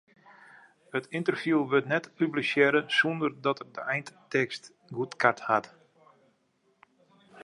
It ynterview wurdt net publisearre sonder dat er de eintekst goedkard hat.